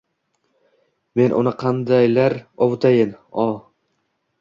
Men uni qandaylar ovutayin, o